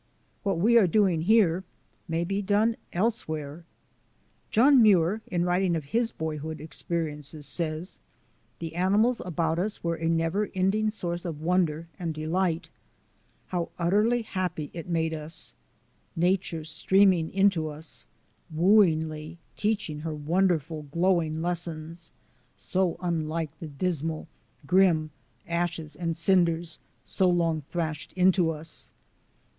What we are doing here may be done elsewhere. John Muir, in writing of his boyhood experiences, says: "The animals about us were a never ending CHILDREN OF MY TRAIL SCHOOL 159 source of wonder and delight. How utterly happy it made us! Nature streaming into us, wooingly teaching her wonderful, glowing lessons so unlike the dismal, grim ashes and cinders so long thrashed into us.